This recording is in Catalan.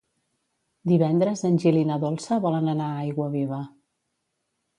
Divendres en Gil i na Dolça volen anar a Aiguaviva.